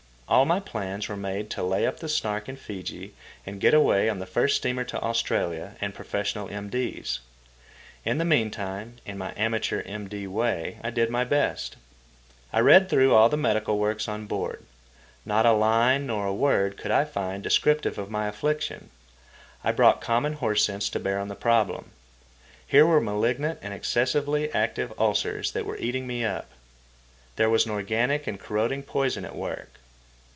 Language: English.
All my plans were made to lay up the Snark in Fiji and get away on the first steamer to Australia and professional M.D.'s. In the meantime, in my amateur M.D. way, I did my best. I read through all the medical works on board. Not a line nor a word could I find descriptive of my affliction. I brought common horse sense to bear on the problem. Here were malignant and excessively active ulcers that were eating me up. There was an organic and corroding poison at work.